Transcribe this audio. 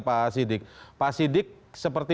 pak sidik pak sidik seperti